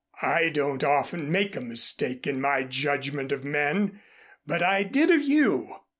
"I don't often make a mistake in my judgment of men, but I did of you.